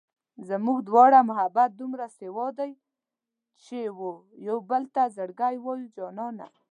زموږ دواړو محبت دومره سېوا دی چې و يوبل ته زړګی وایو جانانه